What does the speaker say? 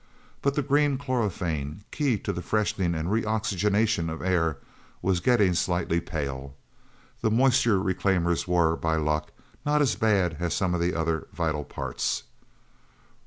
But the green chlorophane, key to the freshening and re oxygenation of air, was getting slightly pale. The moisture reclaimers were by luck not as bad as some of the other vital parts.